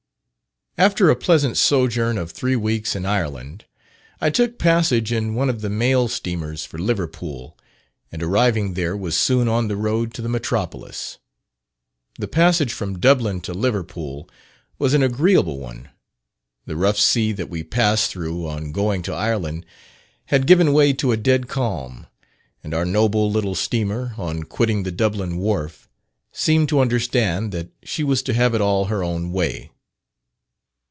After a pleasant sojourn of three weeks in Ireland, I took passage in one of the mail steamers for Liverpool, and arriving there was soon on the road to the metropolis. The passage from Dublin to Liverpool was an agreeable one. The rough sea that we passed through on going to Ireland had given way to a dead calm, and our noble little steamer, on quitting the Dublin wharf, seemed to understand that she was to have it all her own way.